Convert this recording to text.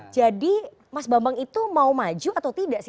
jadi mas bambang itu mau maju atau tidak sih